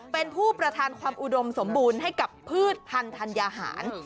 เป็นผู้ประทานความอุดมสมบูรณ์ให้กับพืชพันธัญญาหาร